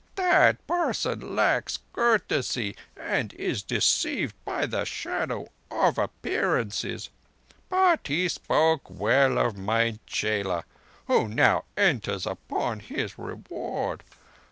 "That person lacks courtesy, and is deceived by the shadow of appearances. But he spoke well of my chela, who now enters upon his reward.